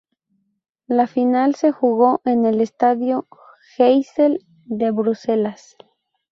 La final se jugó en el Estadio Heysel de Bruselas.